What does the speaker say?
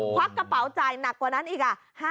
ควักกระเป๋าจ่ายหนักกว่านั้นอีก